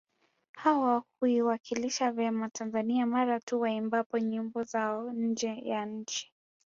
Hawa huiwakilisha vyema Tanzania mara tu waimbapo nyimbo zao nje ya nchi